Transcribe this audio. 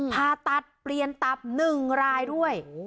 ผ่าตัดเปลี่ยนตับ๑รายด้วย